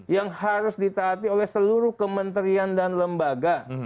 yang harus ditaati oleh seluruh kementerian dan lembaga